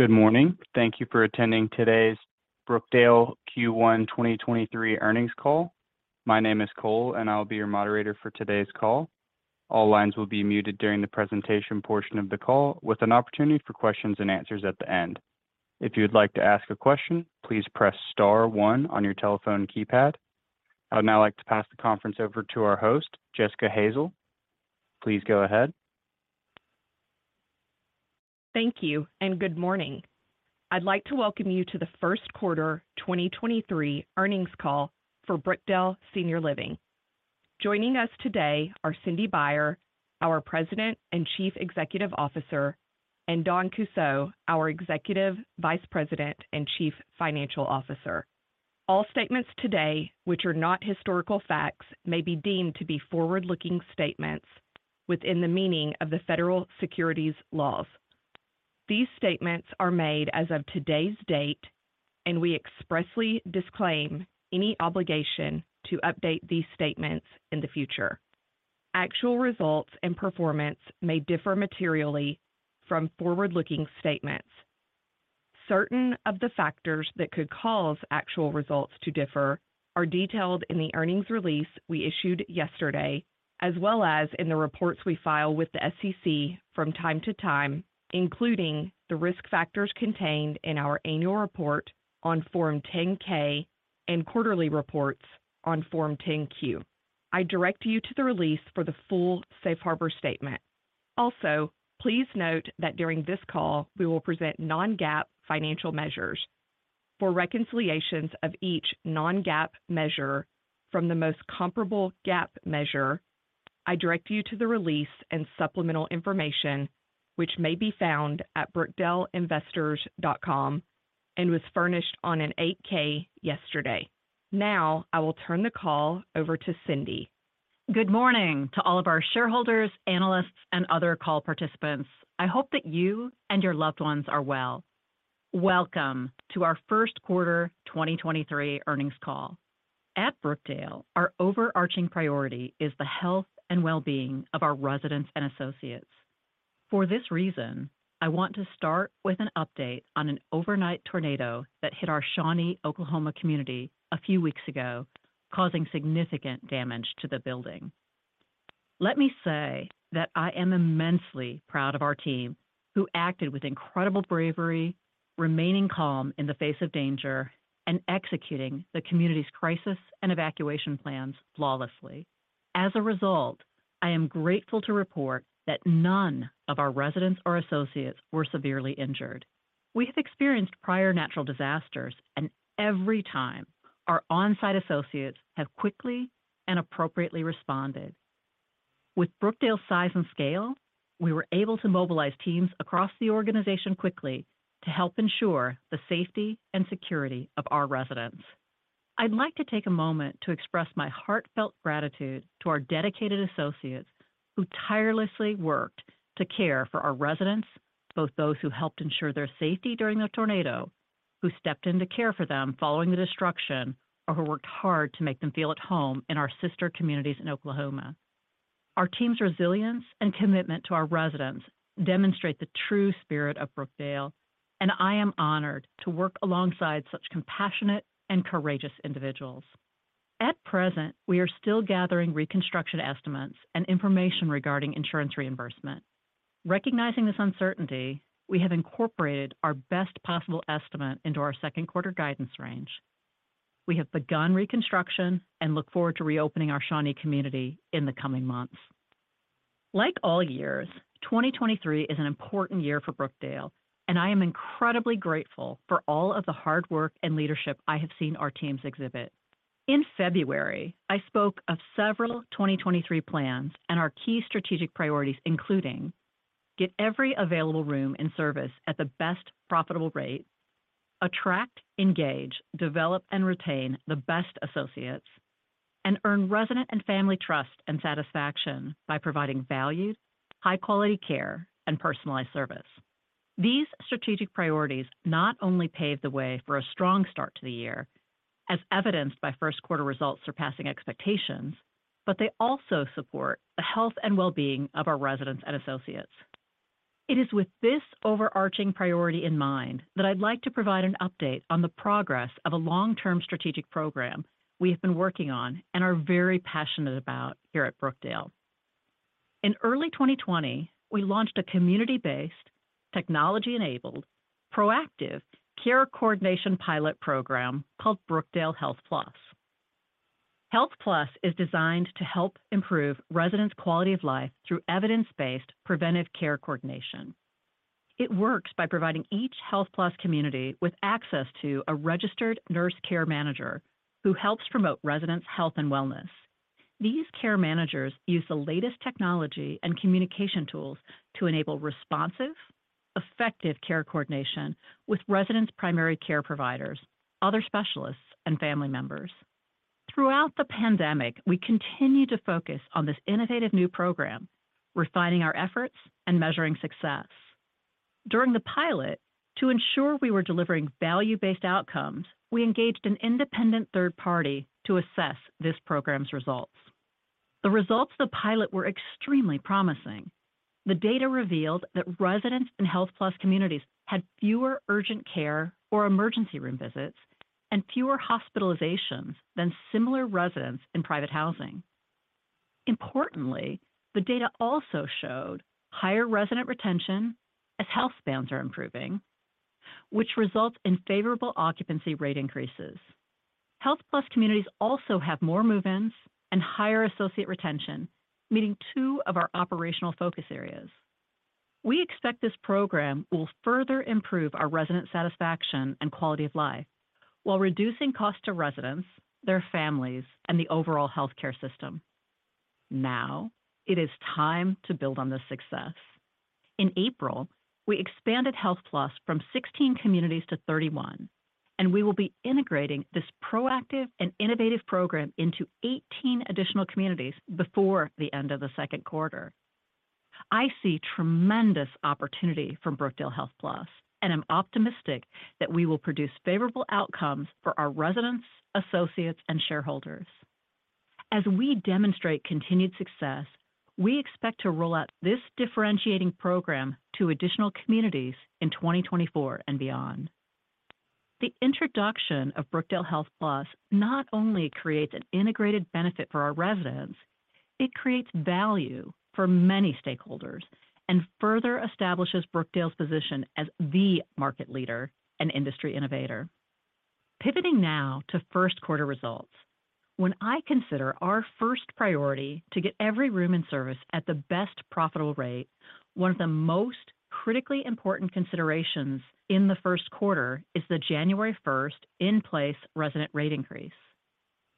Good morning. Thank you for attending today's Brookdale Q1 2023 Earnings Call. My name is Cole, and I'll be your moderator for today's call. All lines will be muted during the presentation portion of the call with an opportunity for questions and answers at the end. If you'd like to ask a question, please press star one on your telephone keypad. I would now like to pass the conference over to our host, Jessica Hazel. Please go ahead. Thank you. Good morning. I'd like to welcome you to the Q1 2023 earnings call for Brookdale Senior Living. Joining us today are Cindy Baier, our President and Chief Executive Officer, and Dawn Kussow, our Executive Vice President and Chief Financial Officer. All statements today which are not historical facts may be deemed to be forward-looking statements within the meaning of the federal securities laws. These statements are made as of today's date, and we expressly disclaim any obligation to update these statements in the future. Actual results and performance may differ materially from forward-looking statements. Certain of the factors that could cause actual results to differ are detailed in the earnings release we issued yesterday as well as in the reports we file with the SEC from time to time, including the risk factors contained in our annual report on Form 10-K and quarterly reports on Form 10-Q. I direct you to the release for the full safe harbor statement. Please note that during this call, we will present non-GAAP financial measures. For reconciliations of each non-GAAP measure from the most comparable GAAP measure, I direct you to the release and supplemental information which may be found at brookdaleinvestors.com and was furnished on an 8-K yesterday. I will turn the call over to Cindy. Good morning to all of our shareholders, analysts, and other call participants. I hope that you and your loved ones are well. Welcome to our Q1 2023 earnings call. At Brookdale, our overarching priority is the health and well-being of our residents and associates. For this reason, I want to start with an update on an overnight tornado that hit our Shawnee, Oklahoma community a few weeks ago, causing significant damage to the building. Let me say that I am immensely proud of our team, who acted with incredible bravery, remaining calm in the face of danger, and executing the community's crisis and evacuation plans flawlessly. As a result, I am grateful to report that none of our residents or associates were severely injured. We have experienced prior natural disasters, and every time, our on-site associates have quickly and appropriately responded. With Brookdale's size and scale, we were able to mobilize teams across the organization quickly to help ensure the safety and security of our residents. I'd like to take a moment to express my heartfelt gratitude to our dedicated associates who tirelessly worked to care for our residents, both those who helped ensure their safety during the tornado, who stepped in to care for them following the destruction, or who worked hard to make them feel at home in our sister communities in Oklahoma. Our team's resilience and commitment to our residents demonstrate the true spirit of Brookdale, and I am honored to work alongside such compassionate and courageous individuals. At present, we are still gathering reconstruction estimates and information regarding insurance reimbursement. Recognizing this uncertainty, we have incorporated our best possible estimate into our Q2 guidance range. We have begun reconstruction and look forward to reopening our Shawnee community in the coming months. Like all years, 2023 is an important year for Brookdale. I am incredibly grateful for all of the hard work and leadership I have seen our teams exhibit. In February, I spoke of several 2023 plans and our key strategic priorities, including get every available room in service at the best profitable rate, attract, engage, develop, and retain the best associates, and earn resident and family trust and satisfaction by providing valued, high-quality care and personalized service. These strategic priorities not only pave the way for a strong start to the year, as evidenced by Q1 results surpassing expectations, but they also support the health and well-being of our residents and associates. It is with this overarching priority in mind that I'd like to provide an update on the progress of a long-term strategic program we have been working on and are very passionate about here at Brookdale. In early 2020, we launched a community-based, technology-enabled, proactive care coordination pilot program called Brookdale HealthPlus. HealthPlus is designed to help improve residents' quality of life through evidence-based preventive care coordination. It works by providing each HealthPlus community with access to a registered nurse care manager who helps promote residents' health and wellness. These care managers use the latest technology and communication tools to enable responsive, effective care coordination with residents' primary care providers, other specialists, and family members. Throughout the pandemic, we continued to focus on this innovative new program, refining our efforts and measuring success. During the pilot, to ensure we were delivering value-based outcomes, we engaged an independent third party to assess this program's results. The results of the pilot were extremely promising. The data revealed that residents in HealthPlus communities had fewer urgent care or emergency room visits and fewer hospitalizations than similar residents in private housing. Importantly, the data also showed higher resident retention as health spans are improving, which results in favorable occupancy rate increases. HealthPlus communities also have more move-ins and higher associate retention, meeting two of our operational focus areas. We expect this program will further improve our resident satisfaction and quality of life while reducing costs to residents, their families, and the overall healthcare system. Now it is time to build on this success. In April, we expanded HealthPlus from 16 communities to 31. We will be integrating this proactive and innovative program into 18 additional communities before the end of the Q2. I see tremendous opportunity for Brookdale HealthPlus and am optimistic that we will produce favorable outcomes for our residents, associates, and shareholders. As we demonstrate continued success, we expect to roll out this differentiating program to additional communities in 2024 and beyond. The introduction of Brookdale HealthPlus not only creates an integrated benefit for our residents, it creates value for many stakeholders and further establishes Brookdale's position as the market leader and industry innovator. Pivoting now to Q1 results. When I consider our first priority to get every room in service at the best profitable rate, one of the most critically important considerations in the Q1 is the January first in-place resident rate increase.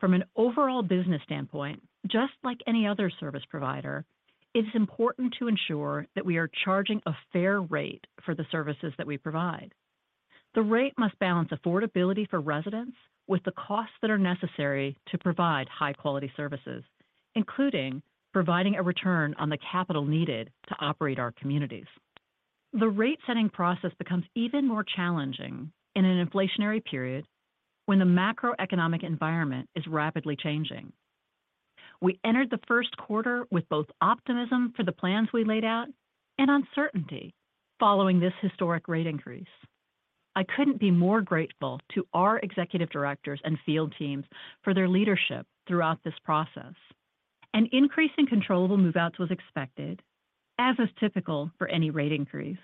From an overall business standpoint, just like any other service provider, it is important to ensure that we are charging a fair rate for the services that we provide. The rate must balance affordability for residents with the costs that are necessary to provide high quality services, including providing a return on the capital needed to operate our communities. The rate-setting process becomes even more challenging in an inflationary period when the macroeconomic environment is rapidly changing. We entered the Q1 with both optimism for the plans we laid out and uncertainty following this historic rate increase. I couldn't be more grateful to our executive directors and field teams for their leadership throughout this process. An increase in controllable move-outs was expected, as is typical for any rate increase,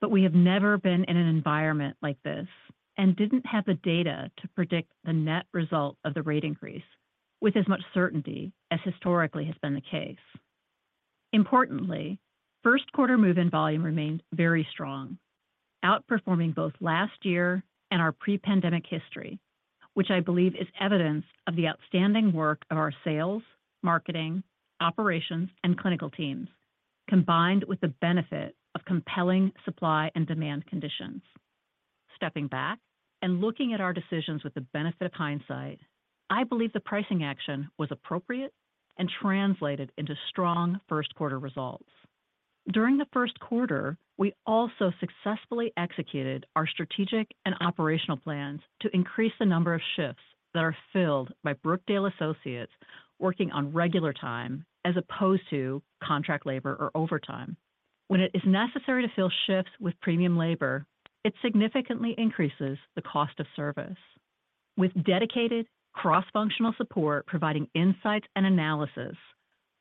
but we have never been in an environment like this and didn't have the data to predict the net result of the rate increase with as much certainty as historically has been the case. Importantly, Q1 move-in volume remained very strong, outperforming both last year and our pre-pandemic history, which I believe is evidence of the outstanding work of our sales, marketing, operations, and clinical teams, combined with the benefit of compelling supply and demand conditions. Stepping back and looking at our decisions with the benefit of hindsight, I believe the pricing action was appropriate and translated into strong Q1 results. During the Q1, we also successfully executed our strategic and operational plans to increase the number of shifts that are filled by Brookdale associates working on regular time as opposed to contract labor or overtime. When it is necessary to fill shifts with premium labor, it significantly increases the cost of service. With dedicated cross-functional support providing insights and analysis,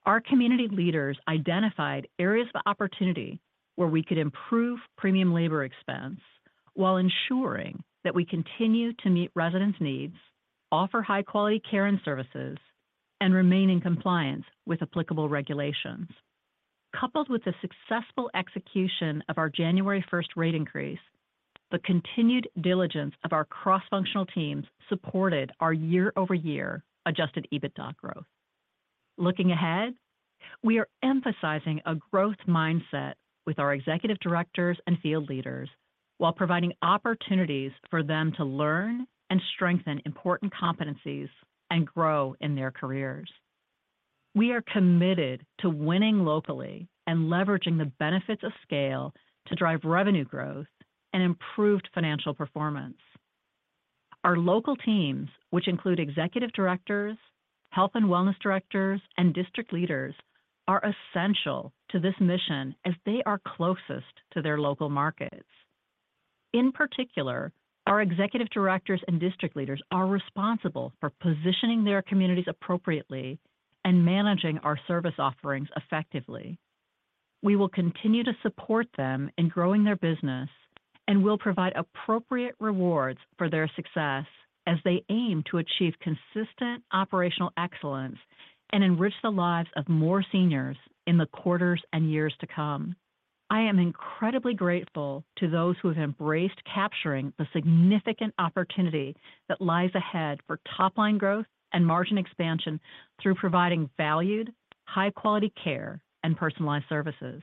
our community leaders identified areas of opportunity where we could improve premium labor expense while ensuring that we continue to meet residents' needs, offer high quality care and services, and remain in compliance with applicable regulations. Coupled with the successful execution of our January first rate increase, the continued diligence of our cross-functional teams supported our year-over-year adjusted EBITDA growth. Looking ahead, we are emphasizing a growth mindset with our executive directors and field leaders while providing opportunities for them to learn and strengthen important competencies and grow in their careers. We are committed to winning locally and leveraging the benefits of scale to drive revenue growth and improved financial performance. Our local teams, which include executive directors, health and wellness directors, and district leaders, are essential to this mission as they are closest to their local markets. In particular, our executive directors and district leaders are responsible for positioning their communities appropriately and managing our service offerings effectively. We will continue to support them in growing their business and will provide appropriate rewards for their success as they aim to achieve consistent operational excellence and enrich the lives of more seniors in the quarters and years to come. I am incredibly grateful to those who have embraced capturing the significant opportunity that lies ahead for top-line growth and margin expansion through providing valued, high-quality care and personalized services.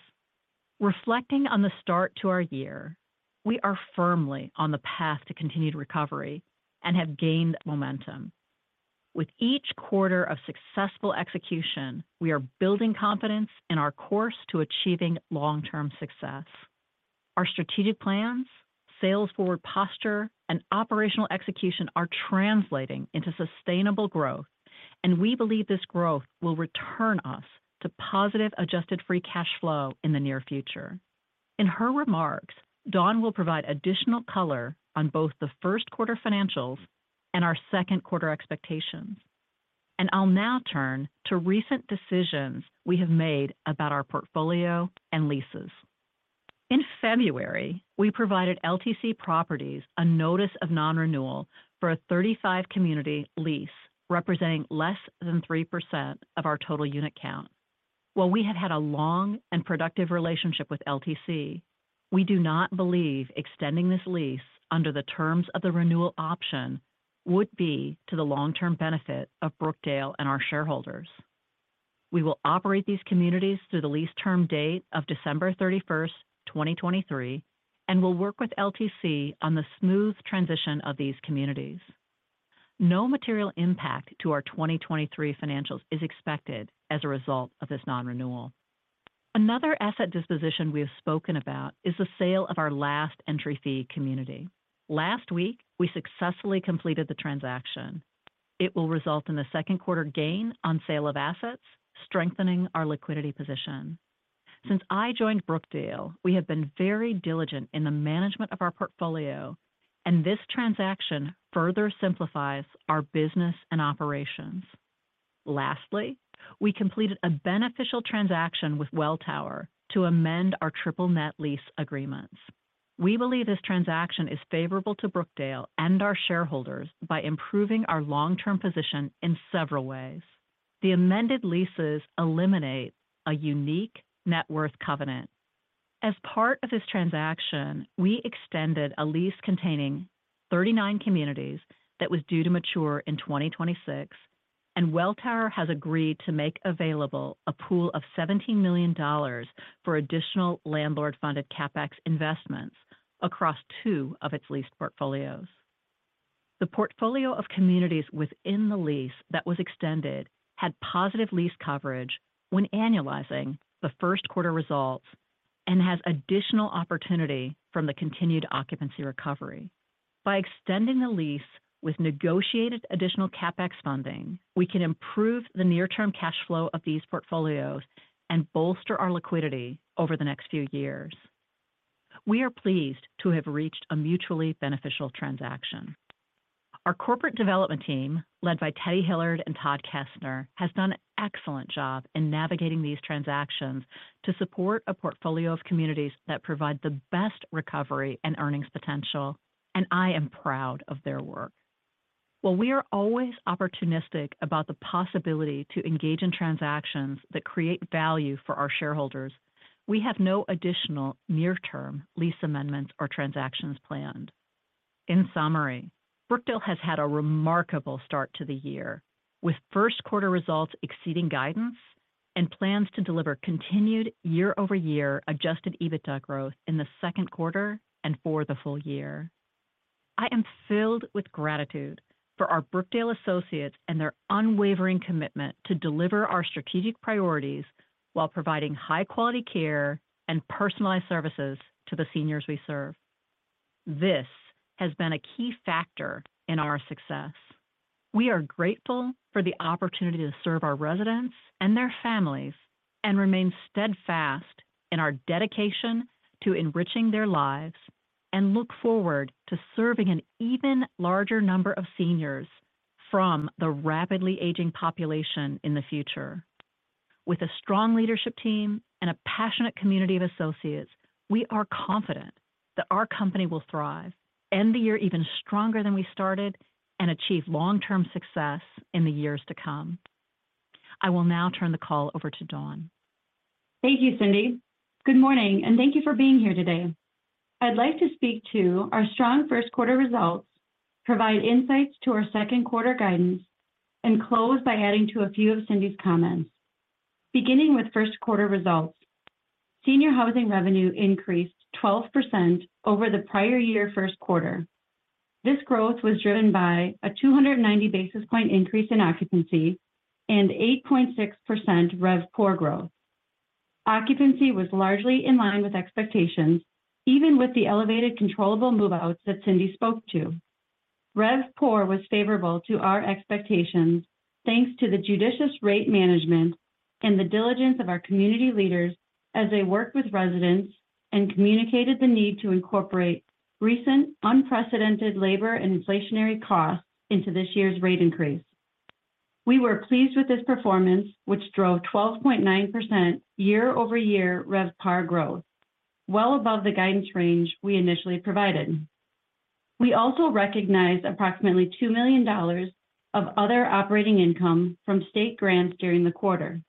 Reflecting on the start to our year, we are firmly on the path to continued recovery and have gained momentum. With each quarter of successful execution, we are building confidence in our course to achieving long-term success. Our strategic plans, sales-forward posture, and operational execution are translating into sustainable growth, and we believe this growth will return us to positive Adjusted Free Cash Flow in the near future. In her remarks, Dawn will provide additional color on both the Q1 financials and our Q2 expectations. I'll now turn to recent decisions we have made about our portfolio and leases. In February, we provided LTC Properties a notice of non-renewal for a 35 community lease, representing less than 3% of our total unit count. While we have had a long and productive relationship with LTC, we do not believe extending this lease under the terms of the renewal option would be to the long-term benefit of Brookdale and our shareholders. We will operate these communities through the lease term date of December 31st, 2023. We'll work with LTC on the smooth transition of these communities. No material impact to our 2023 financials is expected as a result of this non-renewal. Another asset disposition we have spoken about is the sale of our last entry fee community. Last week, we successfully completed the transaction. It will result in a Q2 gain on sale of assets, strengthening our liquidity position. Since I joined Brookdale, we have been very diligent in the management of our portfolio. This transaction further simplifies our business and operations. Lastly, we completed a beneficial transaction with Welltower to amend our triple net lease agreements. We believe this transaction is favorable to Brookdale and our shareholders by improving our long-term position in several ways. The amended leases eliminate a unique net worth covenant. As part of this transaction, we extended a lease containing 39 communities that was due to mature in 2026. Welltower has agreed to make available a pool of $17 million for additional landlord-funded CapEx investments across two of its leased portfolios. The portfolio of communities within the lease that was extended had positive lease coverage when annualizing the Q1 results and has additional opportunity from the continued occupancy recovery. By extending the lease with negotiated additional CapEx funding, we can improve the near-term cash flow of these portfolios and bolster our liquidity over the next few years. We are pleased to have reached a mutually beneficial transaction. Our corporate development team, led by Teddy Hillard and Todd Kaestner, has done an excellent job in navigating these transactions to support a portfolio of communities that provide the best recovery and earnings potential, and I am proud of their work. While we are always opportunistic about the possibility to engage in transactions that create value for our shareholders, we have no additional near-term lease amendments or transactions planned. In summary, Brookdale has had a remarkable start to the year, with Q1 results exceeding guidance and plans to deliver continued year-over-year adjusted EBITDA growth in the Q2 and for the full year. I am filled with gratitude for our Brookdale associates and their unwavering commitment to deliver our strategic priorities while providing high-quality care and personalized services to the seniors we serve. This has been a key factor in our success. We are grateful for the opportunity to serve our residents and their families and remain steadfast in our dedication to enriching their lives and look forward to serving an even larger number of seniors from the rapidly aging population in the future. With a strong leadership team and a passionate community of associates, we are confident that our company will thrive, end the year even stronger than we started, and achieve long-term success in the years to come. I will now turn the call over to Dawn. Thank you, Cindy. Good morning, and thank you for being here today. I'd like to speak to our strong Q1 results, provide insights to our Q2 guidance, and close by adding to a few of Cindy's comments. Beginning with Q1 results, senior housing revenue increased 12% over the prior year Q1. This growth was driven by a 290 basis point increase in occupancy and 8.6% RevPOR growth. Occupancy was largely in line with expectations, even with the elevated controllable move-outs that Cindy spoke to. RevPOR was favorable to our expectations, thanks to the judicious rate management and the diligence of our community leaders as they worked with residents and communicated the need to incorporate recent unprecedented labor and inflationary costs into this year's rate increase. We were pleased with this performance, which drove 12.9% year-over-year RevPAR growth, well above the guidance range we initially provided. We also recognized approximately $2 million of other operating income from state grants during the quarter.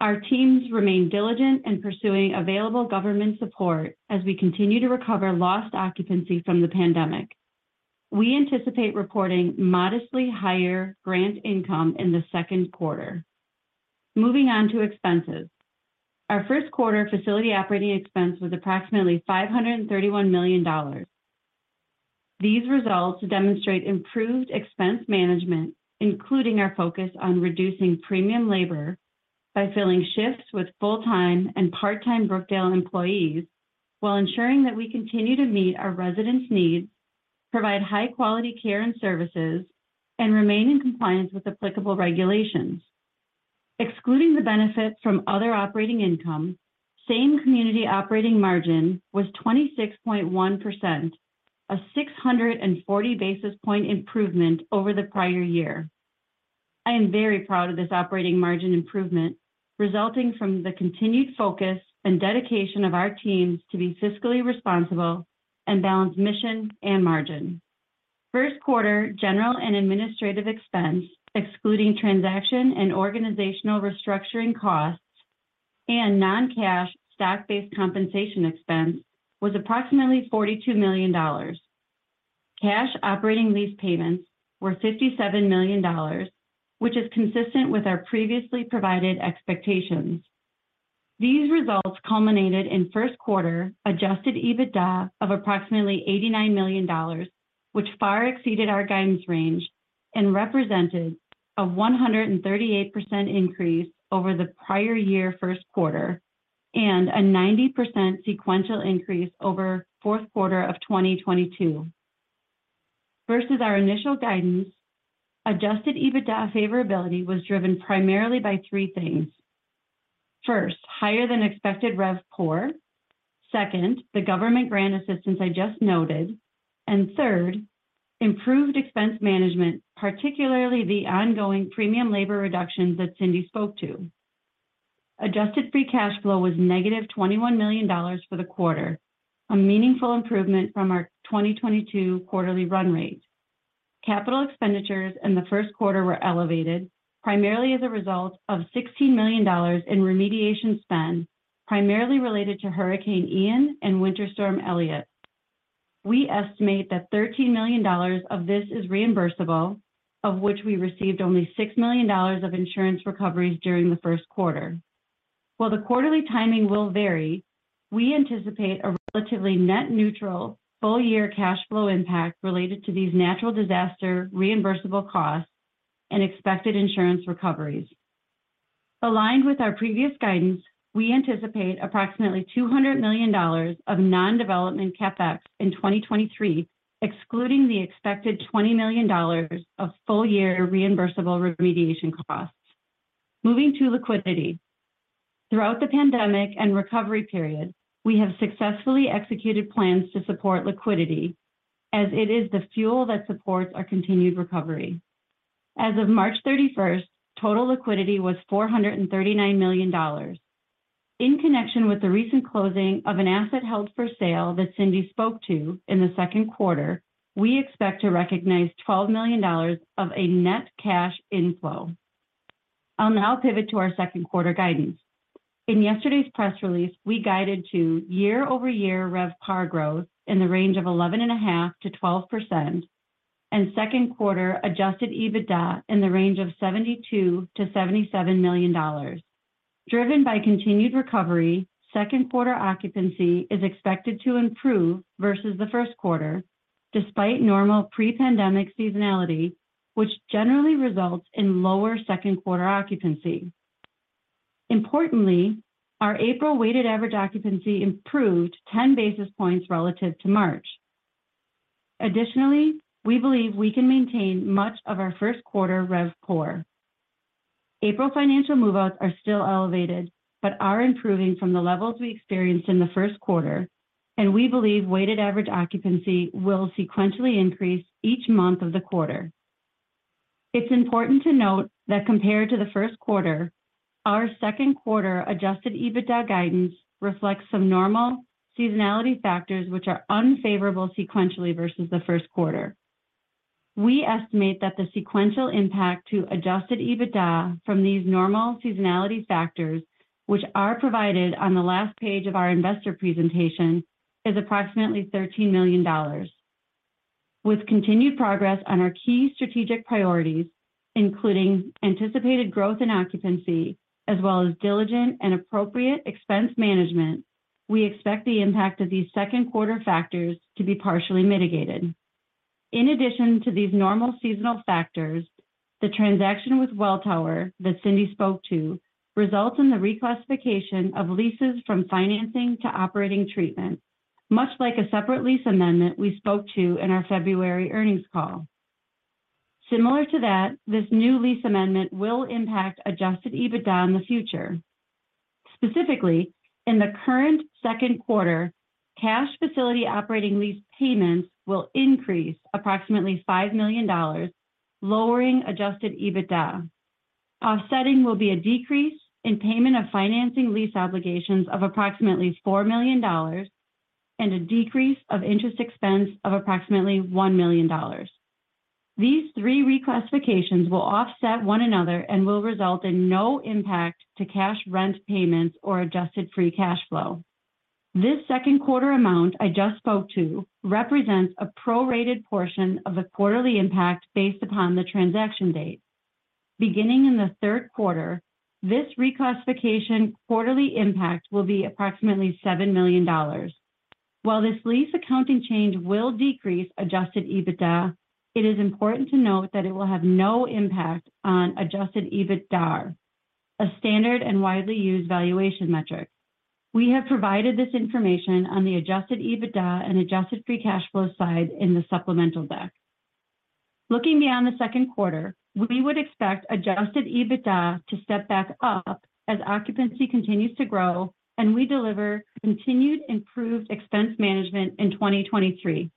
Our teams remain diligent in pursuing available government support as we continue to recover lost occupancy from the pandemic. We anticipate reporting modestly higher grant income in Q2. Moving on to expenses. Our Q1 facility operating expense was approximately $531 million. These results demonstrate improved expense management, including our focus on reducing premium labor by filling shifts with full-time and part-time Brookdale employees while ensuring that we continue to meet our residents' needs, provide high-quality care and services, and remain in compliance with applicable regulations. Excluding the benefits from other operating income, same community operating margin was 26.1%, a 640 basis point improvement over the prior year. I am very proud of this operating margin improvement resulting from the continued focus and dedication of our teams to be fiscally responsible and balance mission and margin. Q1 general and administrative expense, excluding transaction and organizational restructuring costs and non-cash stock-based compensation expense, was approximately $42 million. Cash operating lease payments were $57 million, which is consistent with our previously provided expectations. These results culminated in Q1 adjusted EBITDA of approximately $89 million, which far exceeded our guidance range and represented a 138% increase over the prior year Q1 and a 90% sequential increase over Q4 of 2022. Versus our initial guidance, adjusted EBITDA favorability was driven primarily by three things. First, higher than expected RevPOR. Second, the government grant assistance I just noted. Third, improved expense management, particularly the ongoing premium labor reductions that Cindy spoke to. Adjusted Free Cash Flow was negative $21 million for the quarter, a meaningful improvement from our 2022 quarterly run rate. Capital expenditures in the Q1 were elevated primarily as a result of $16 million in remediation spend, primarily related to Hurricane Ian and Winter Storm Elliott. We estimate that $13 million of this is reimbursable, of which we received only $6 million of insurance recoveries during the Q1. While the quarterly timing will vary, we anticipate a relatively net neutral full year cash flow impact related to these natural disaster reimbursable costs and expected insurance recoveries. Aligned with our previous guidance, we anticipate approximately $200 million of non-development CapEx in 2023, excluding the expected $20 million of full-year reimbursable remediation costs. Moving to liquidity. Throughout the pandemic and recovery period, we have successfully executed plans to support liquidity as it is the fuel that supports our continued recovery. As of March 31st, total liquidity was $439 million. In connection with the recent closing of an asset held for sale that Cindy spoke to in the Q2, we expect to recognize $12 million of a net cash inflow. I'll now pivot to our Q2 guidance. In yesterday's press release, we guided to year-over-year RevPAR growth in the range of 11.5%-12% and Q2 adjusted EBITDA in the range of $72-$77 million. Driven by continued recovery, Q2 occupancy is expected to improve versus the Q1, despite normal pre-pandemic seasonality, which generally results in lower Q2 occupancy. Importantly, our April weighted average occupancy improved 10 basis points relative to March. Additionally, we believe we can maintain much of our Q1 RevPOR. April financial move-outs are still elevated but are improving from the levels we experienced in the Q1, and we believe weighted average occupancy will sequentially increase each month of the quarter. It's important to note that compared to the Q1, our Q2 adjusted EBITDA guidance reflects some normal seasonality factors which are unfavorable sequentially versus the Q1. We estimate that the sequential impact to adjusted EBITDA from these normal seasonality factors, which are provided on the last page of our investor presentation, is approximately $13 million. With continued progress on our key strategic priorities, including anticipated growth in occupancy as well as diligent and appropriate expense management, we expect the impact of these Q2 factors to be partially mitigated. In addition to these normal seasonal factors, the transaction with Welltower that Cindy spoke to results in the reclassification of leases from financing to operating treatment, much like a separate lease amendment we spoke to in our February earnings call. Similar to that, this new lease amendment will impact adjusted EBITDA in the future. Specifically, in the current Q2, cash facility operating lease payments will increase approximately $5 million, lowering adjusted EBITDA. Offsetting will be a decrease in payment of financing lease obligations of approximately $4 million and a decrease of interest expense of approximately $1 million. These three reclassifications will offset one another and will result in no impact to cash rent payments or Adjusted Free Cash Flow. This Q2 amount I just spoke to represents a prorated portion of the quarterly impact based upon the transaction date. Beginning in the Q3, this reclassification quarterly impact will be approximately $7 million. While this lease accounting change will decrease adjusted EBITDA, it is important to note that it will have no impact on adjusted EBITDAR, a standard and widely used valuation metric. We have provided this information on the adjusted EBITDA and Adjusted Free Cash Flow slide in the supplemental deck. Looking beyond the Q2, we would expect adjusted EBITDA to step back up as occupancy continues to grow and we deliver continued improved expense management in 2023.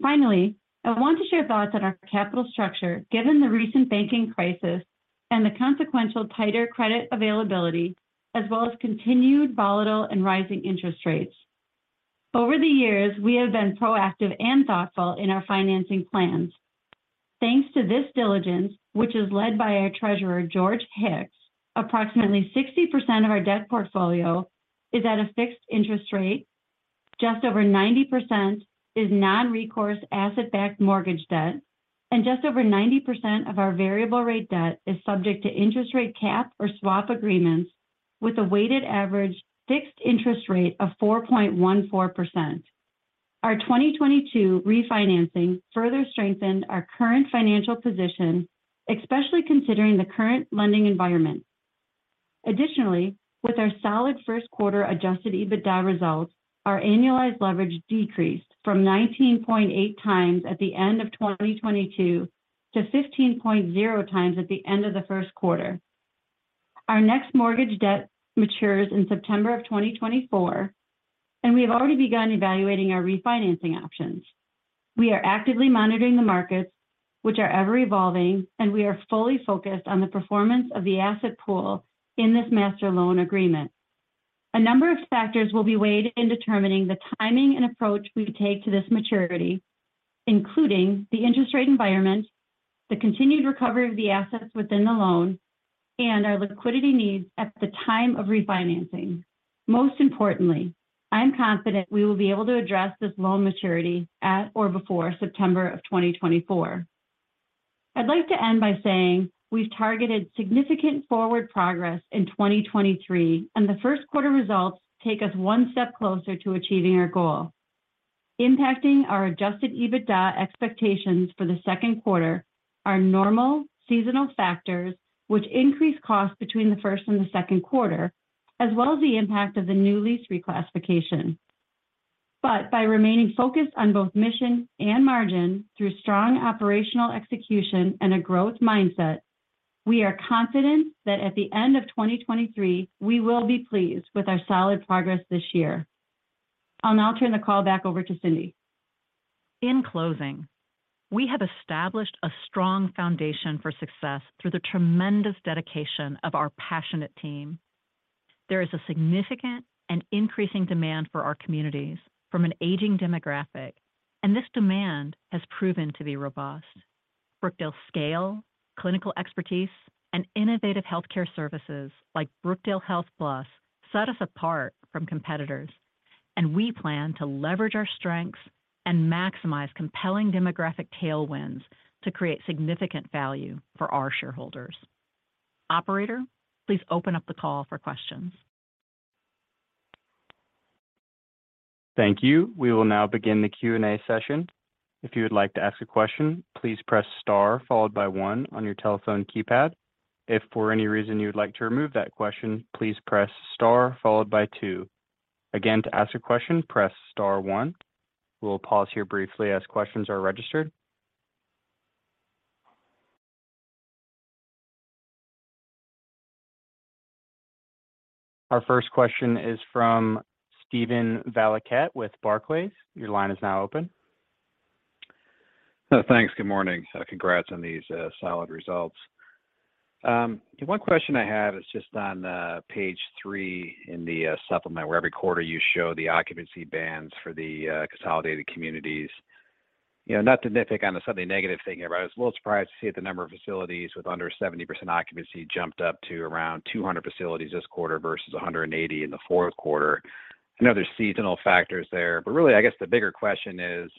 Finally, I want to share thoughts on our capital structure, given the recent banking crisis and the consequential tighter credit availability, as well as continued volatile and rising interest rates. Over the years, we have been proactive and thoughtful in our financing plans. Thanks to this diligence, which is led by our treasurer, George Hicks, approximately 60% of our debt portfolio is at a fixed interest rate. Just over 90% is non-recourse property-level mortgage financings, and just over 90% of our variable rate debt is subject to interest rate cap or swap agreements with a weighted average fixed interest rate of 4.14%. Our 2022 refinancing further strengthened our current financial position, especially considering the current lending environment. Additionally, with our solid Q1 adjusted EBITDA results, our annualized leverage decreased from 19.8x at the end of 2022 to 15.0x at the end of the Q1. Our next mortgage debt matures in September of 2024. We have already begun evaluating our refinancing options. We are actively monitoring the markets, which are ever-evolving, and we are fully focused on the performance of the asset pool in this master loan agreement. A number of factors will be weighed in determining the timing and approach we take to this maturity, including the interest rate environment, the continued recovery of the assets within the loan, and our liquidity needs at the time of refinancing. Most importantly, I am confident we will be able to address this loan maturity at or before September of 2024. I'd like to end by saying we've targeted significant forward progress in 2023. The Q1 results take us one step closer to achieving our goal. Impacting our adjusted EBITDA expectations for the Q2 are normal seasonal factors which increase costs between the first and the Q2, as well as the impact of the new lease reclassification. By remaining focused on both mission and margin through strong operational execution and a growth mindset, we are confident that at the end of 2023 we will be pleased with our solid progress this year. I'll now turn the call back over to Cindy. In closing, we have established a strong foundation for success through the tremendous dedication of our passionate team. There is a significant and increasing demand for our communities from an aging demographic, and this demand has proven to be robust. Brookdale's scale, clinical expertise, and innovative healthcare services like Brookdale HealthPlus set us apart from competitors. We plan to leverage our strengths and maximize compelling demographic tailwinds to create significant value for our shareholders. Operator, please open up the call for questions. Thank you. We will now begin the Q&A session. If you would like to ask a question, please press star followed by one on your telephone keypad. If for any reason you would like to remove that question, please press star followed by two. Again, to ask a question, press star one. We'll pause here briefly as questions are registered. Our first question is from Steven Valiquette with Barclays. Your line is now open. Thanks. Good morning. Congrats on these solid results. One question I have is just on page three in the supplement where every quarter you show the occupancy bands for the consolidated communities. You know, not to nitpick on the slightly negative thing here, but I was a little surprised to see that the number of facilities with under 70% occupancy jumped up to around 200 facilities this quarter versus 180 in the Q4. I know there's seasonal factors there, but really, I guess the bigger question is,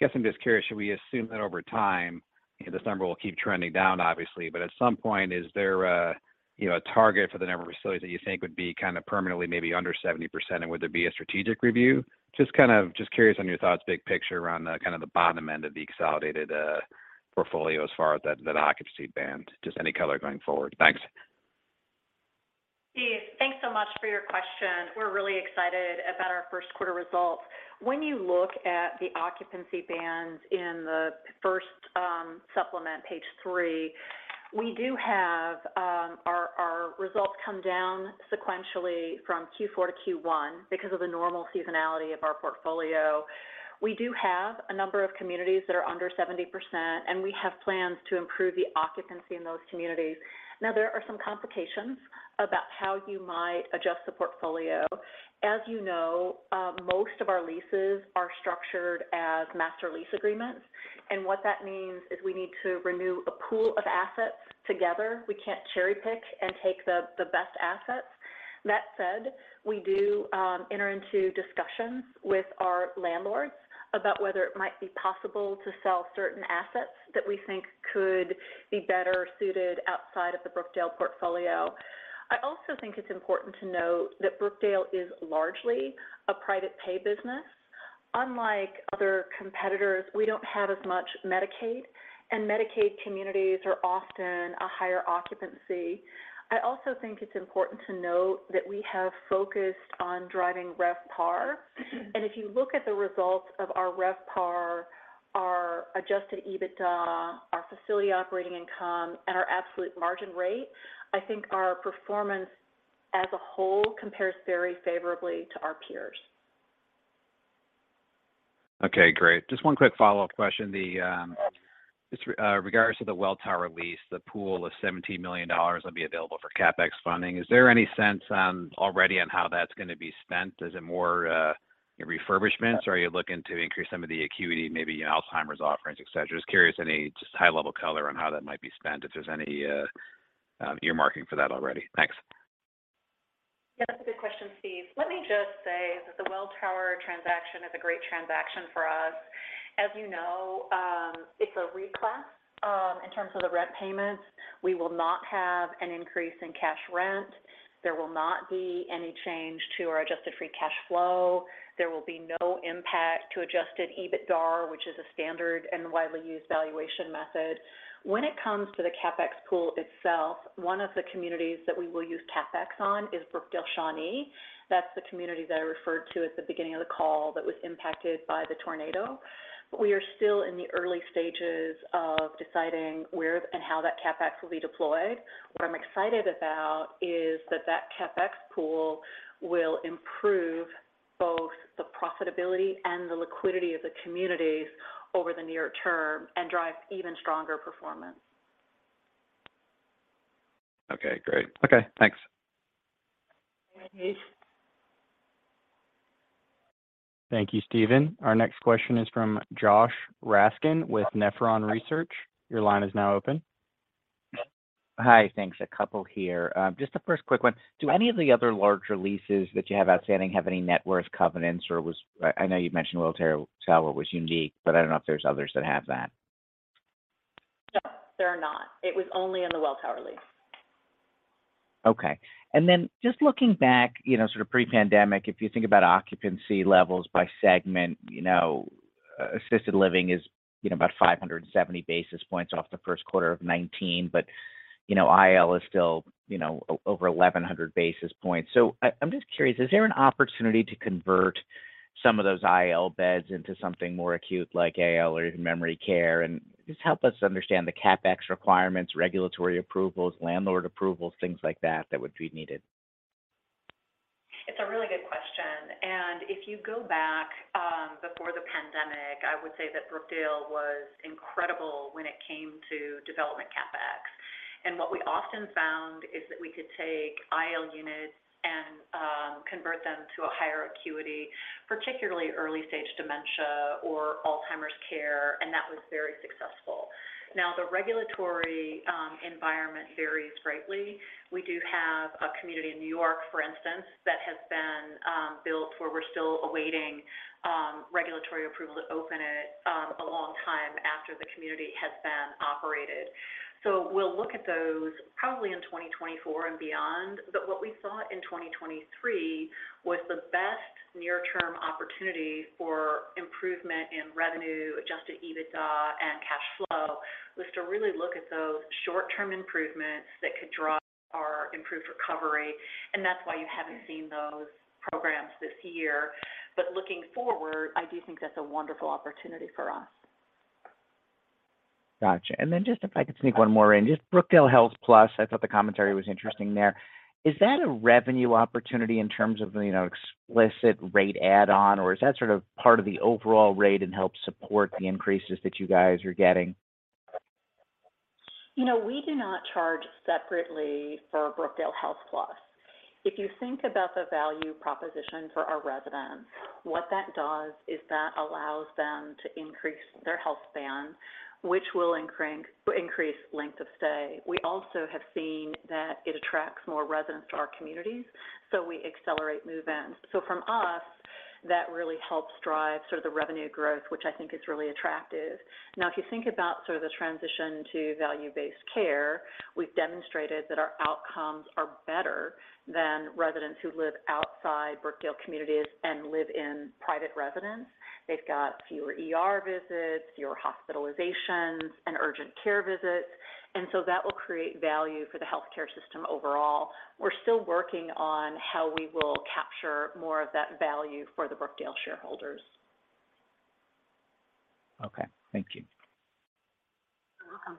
guess I'm just curious, should we assume that over time, you know, this number will keep trending down obviously, but at some point, is there a, you know, a target for the number of facilities that you think would be kind of permanently maybe under 70% and would there be a strategic review? Just curious on your thoughts big picture around the kind of the bottom end of the consolidated portfolio as far as that occupancy band. Just any color going forward. Thanks. Steve, thanks so much for your question. We're really excited about our Q1 results. When you look at the occupancy bands in the first supplement, page three, we do have our results come down sequentially from Q4 to Q1 because of the normal seasonality of our portfolio. We do have a number of communities that are under 70%, and we have plans to improve the occupancy in those communities. There are some complications about how you might adjust the portfolio. As you know, most of our leases are structured as master lease agreements, and what that means is we need to renew a pool of assets together. We can't cherry-pick and take the best assets. That said, we do enter into discussions with our landlords about whether it might be possible to sell certain assets that we think could be better suited outside of the Brookdale portfolio. I also think it's important to note that Brookdale is largely a private pay business. Unlike other competitors, we don't have as much Medicaid. Medicaid communities are often a higher occupancy. I also think it's important to note that we have focused on driving RevPAR. If you look at the results of our RevPAR, our adjusted EBITDA, our facility operating income, and our absolute margin rate, I think our performance as a whole compares very favorably to our peers. Okay, great. Just one quick follow-up question. The regards to the Welltower lease, the pool of $17 million will be available for CapEx funding. Is there any sense already on how that's gonna be spent? Is it more refurbishments, or are you looking to increase some of the acuity, maybe Alzheimer's offerings, et cetera? Just curious, any just high-level color on how that might be spent, if there's any earmarking for that already. Thanks. That's a good question, Steve. Let me just say that the Welltower transaction is a great transaction for us. As you know, it's a reclass in terms of the rent payments. We will not have an increase in cash rent. There will not be any change to our Adjusted Free Cash Flow. There will be no impact to Adjusted EBITDA, which is a standard and widely used valuation method. When it comes to the CapEx pool itself, one of the communities that we will use CapEx on is Brookdale Shawnee. That's the community that I referred to at the beginning of the call that was impacted by the tornado. We are still in the early stages of deciding where and how that CapEx will be deployed. What I'm excited about is that that CapEx pool will improve both the profitability and the liquidity of the communities over the near term and drive even stronger performance. Okay, great. Okay, thanks. All right. Thank you, Steven. Our next question is from Josh Raskin with Nephron Research. Your line is now open. Hi. Thanks. A couple here. Just the first quick one. Do any of the other larger leases that you have outstanding have any net worth covenants, or I know you've mentioned Welltower was unique, but I don't know if there's others that have that. No, there are not. It was only in the Welltower lease. Okay. Just looking back, you know, sort of pre-pandemic, if you think about occupancy levels by segment, you know, assisted living is, you know, about 570 basis points off the Q1 of 2019, but, you know, IL is still, you know, over 1,100 basis points. I'm just curious, is there an opportunity to convert some of those IL beds into something more acute like AL or even memory care? Just help us understand the CapEx requirements, regulatory approvals, landlord approvals, things like that would be needed. It's a really good question. If you go back before the pandemic, I would say that Brookdale was incredible when it came to development CapEx. What we often found is that we could take IL units and convert them to a higher acuity, particularly early stage dementia or Alzheimer's care, and that was very successful. The regulatory environment varies greatly. We do have a community in New York, for instance, that has been built where we're still awaiting regulatory approval to open it a long time after the community has been operated. We'll look at those probably in 2024 and beyond. What we saw in 2023 was the best near term opportunity for improvement in revenue, adjusted EBITDA and cash flow was to really look at those short-term improvements that could drive our improved recovery, and that's why you haven't seen those programs this year. Looking forward, I do think that's a wonderful opportunity for us. Gotcha. Just if I could sneak one more in, just Brookdale HealthPlus, I thought the commentary was interesting there. Is that a revenue opportunity in terms of, you know, explicit rate add-on, or is that sort of part of the overall rate and help support the increases that you guys are getting? You know, we do not charge separately for Brookdale HealthPlus. If you think about the value proposition for our residents, what that does is that allows them to increase their health span, which will increase length of stay. We also have seen that it attracts more residents to our communities, so we accelerate move-ins. From us, that really helps drive sort of the revenue growth, which I think is really attractive. Now, if you think about sort of the transition to value-based care, we've demonstrated that our outcomes are better than residents who live outside Brookdale communities and live in private residence. They've got fewer ER visits, fewer hospitalizations, and urgent care visits, that will create value for the healthcare system overall. We're still working on how we will capture more of that value for the Brookdale shareholders. Okay. Thank you. You're welcome.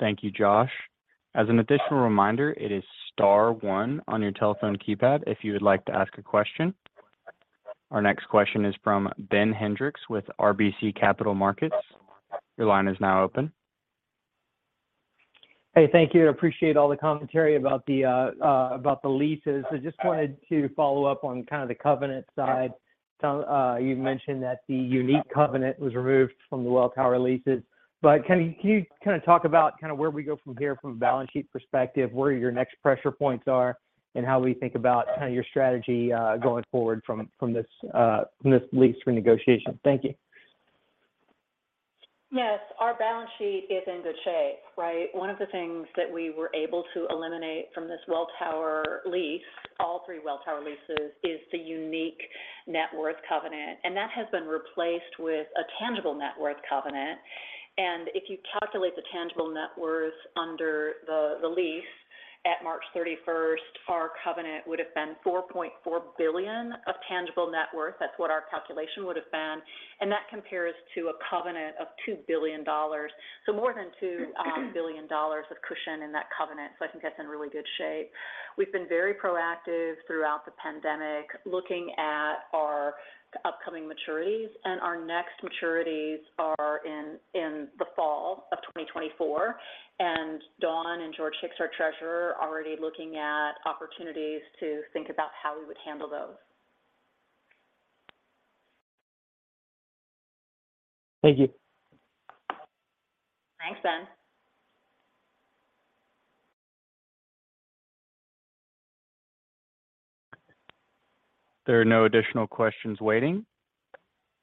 Thank you, Josh. As an additional reminder, it is star one on your telephone keypad if you would like to ask a question. Our next question is from Ben Hendrix with RBC Capital Markets. Your line is now open. Hey, thank you. I appreciate all the commentary about the leases. I just wanted to follow up on kind of the covenant side. You've mentioned that the unique covenant was removed from the Welltower leases, but can you kinda talk about kinda where we go from here from a balance sheet perspective, where your next pressure points are, and how we think about kinda your strategy going forward from this lease renegotiation? Thank you. Our balance sheet is in good shape, right. One of the things that we were able to eliminate from this Welltower lease, all three Welltower leases, is the unique net worth covenant, and that has been replaced with a tangible net worth covenant. If you calculate the tangible net worth under the lease at March 31st, our covenant would have been $4.4 billion of tangible net worth. That's what our calculation would have been. That compares to a covenant of $2 billion. More than $2 billion of cushion in that covenant. I think that's in really good shape. We've been very proactive throughout the pandemic, looking at our upcoming maturities, and our next maturities are in the fall of 2024. Dawn and George Hicks, our treasurer, are already looking at opportunities to think about how we would handle those. Thank you. Thanks, Ben. There are no additional questions waiting.